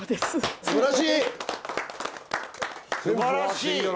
すばらしい！